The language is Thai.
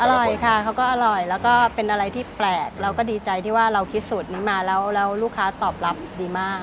อร่อยค่ะเขาก็อร่อยแล้วก็เป็นอะไรที่แปลกเราก็ดีใจที่ว่าเราคิดสูตรนี้มาแล้วลูกค้าตอบรับดีมาก